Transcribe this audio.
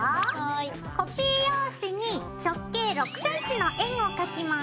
コピー用紙に直径６ｃｍの円を描きます。